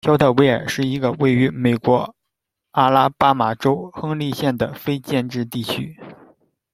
肖特维尔是一个位于美国阿拉巴马州亨利县的非建制地区。